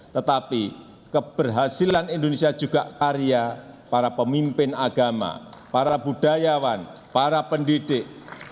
tetapi keberhasilan indonesia juga karya para pemimpin agama para budayawan para pendidik